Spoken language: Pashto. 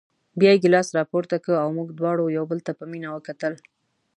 بیا یې ګیلاس راپورته کړ او موږ دواړو یو بل ته په مینه وکتل.